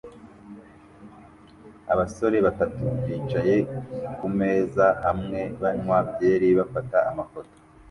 Abasore batatu bicaye kumeza hamwe banywa byeri bafata amafoto